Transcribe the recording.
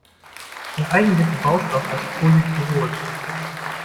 Der eigentliche Baustoff heißt Polystyrol.